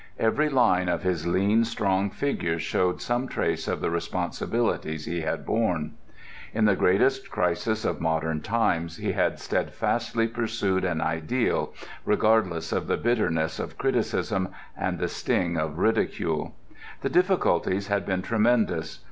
Every line of his lean, strong figure showed some trace of the responsibilities he had borne. In the greatest crisis of modern times he had steadfastly pursued an ideal, regardless of the bitterness of criticism and the sting of ridicule. The difficulties had been tremendous.